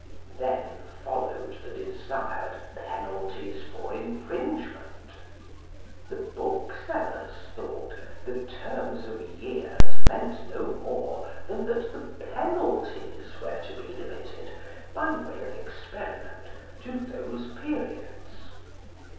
Then followed the desired penalties for infringement. The booksellers thought the terms of years meant no more than that the penalties were to be limited by way of experiment to those periods.